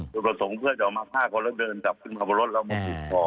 โดยตัดส่งเพื่อนออกมาฆ่าคนแล้วเดินจับขึ้นมาบนรถแล้วมันหยุดก่อน